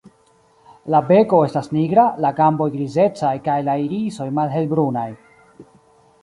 La beko estas nigra, la gamboj grizecaj kaj la irisoj malhelbrunaj.